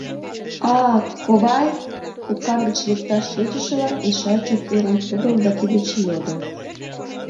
А, ковай?! — туткар гыч лекташ тӧчышыла, эшеат чот ӧрын, тудо Овдаки деч йодо.